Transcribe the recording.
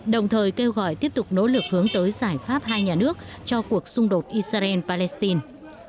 đồng thời kêu gọi tiếp tục nỗ lực hướng tới giải pháp hai nhà nước cho cuộc xung đột israel palestine